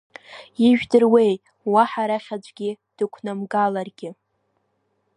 Ижәдыруеи, уаҳа арахь аӡәгьы дықәнамгаларгьы!